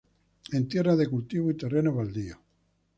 En tierras de cultivo y terrenos baldíos.